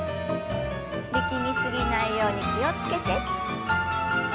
力み過ぎないように気を付けて。